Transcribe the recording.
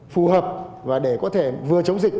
phù hợp và để có thể vừa chống dịch